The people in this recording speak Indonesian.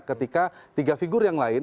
ketika tiga figur yang lain